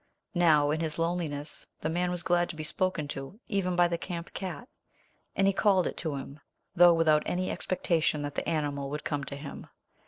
Now in his loneliness the man was glad to be spoken to, even by the camp cat; and he called it to him, though without any expectation that the animal would come to him.